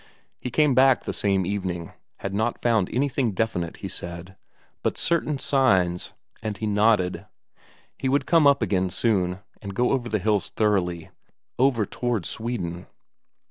He came back the same evening; had not found anything definite, he said, but certain signs and he nodded. He would come up again soon, and go over the hills thoroughly, over towards Sweden.